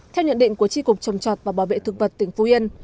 theo nhận định của tri cục trồng chọt và bảo vệ thực vật tỉnh phú yên